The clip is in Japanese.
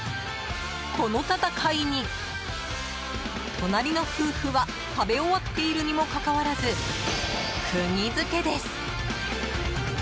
この戦いに、隣の夫婦は食べ終わっているにもかかわらず釘付けです。